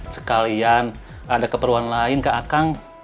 sekalian ada keperluan lain ke akang